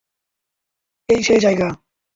এই সেই জায়গা।